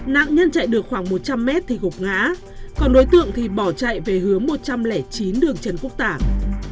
nạn nhân chạy được khoảng một trăm linh mét thì gục ngã còn đối tượng thì bỏ chạy về hướng một trăm linh chín đường trần quốc tả